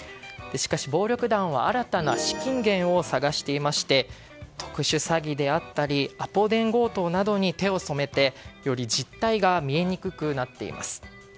しかし、暴力団は新たな資金源を探していまして特殊詐欺であったりアポ電強盗などに手を染めて、より実態が見えにくくなっています。